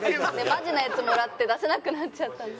マジなやつもらって出せなくなっちゃったの？